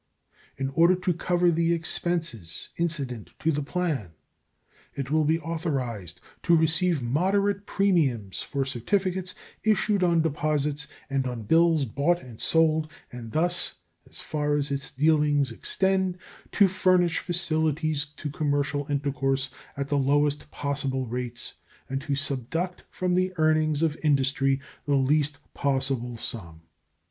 In order to cover the expenses incident to the plan, it will be authorized to receive moderate premiums for certificates issued on deposits and on bills bought and sold, and thus, as far as its dealings extend, to furnish facilities to commercial intercourse at the lowest possible rates and to subduct from the earnings of industry the least possible sum.